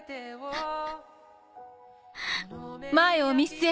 あっ。